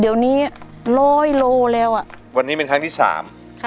เดี๋ยวนี้ร้อยโลแล้วอ่ะวันนี้เป็นครั้งที่สามค่ะ